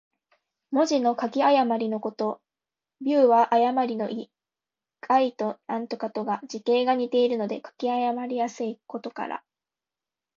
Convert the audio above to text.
文字の書き誤りのこと。「譌」は誤りの意。「亥」と「豕」とが、字形が似ているので書き誤りやすいことから。